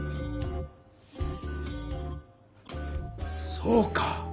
そうか！